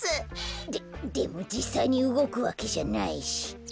ででもじっさいにうごくわけじゃないし。